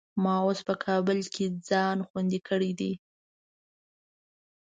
ما اوس په کابل کې ځان خوندي کړی دی.